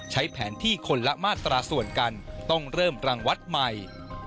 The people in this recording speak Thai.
ใช้แผนที่คนละมาตราส่วนกันต้องเริ่มรังวัดใหม่